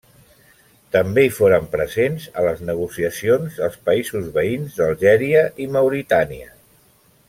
També hi foren presents a les negociacions els països veïns d'Algèria i Mauritània.